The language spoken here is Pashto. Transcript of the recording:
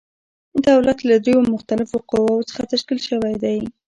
دولت له دریو مختلفو قواوو څخه تشکیل شوی دی.